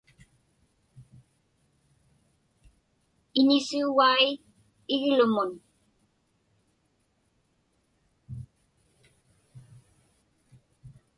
Iñisuugai iglumun.